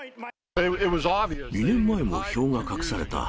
２年前も票が隠された。